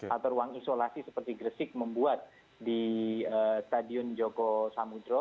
atau ruang isolasi seperti gresik membuat di stadion joko samudro